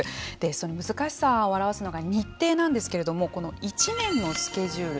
その難しさを表すのが日程なんですけれどもこの１年のスケジュール